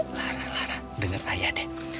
lara lara denger ayah deh